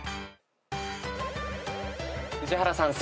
宇治原さん